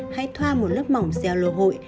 hãy thoa một lớp mỏng gel lô hội